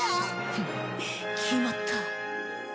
フッきまった。